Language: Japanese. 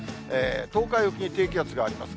東海沖に低気圧があります。